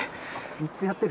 ３つやってる？